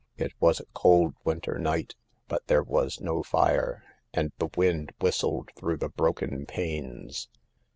It was a cold winter night, but there was no fire, and the wind whistled through the broken panes.